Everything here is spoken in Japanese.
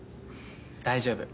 大丈夫。